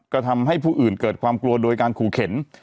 ทำให้ผู้อื่นเกิดความกลัวโดยการขู่เข็น